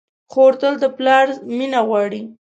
خور تل د پلار مینه غواړي.